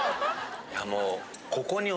いやもう。